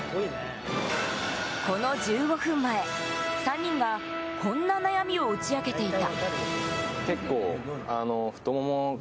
この１５分前、３人がこんな悩みを打ち明けていた。